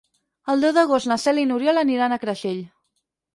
El deu d'agost na Cel i n'Oriol aniran a Creixell.